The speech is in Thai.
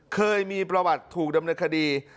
เคยมีประวัติถูกดำเนินคดี